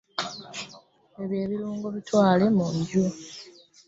Ebyo ebirungo bitwale munju.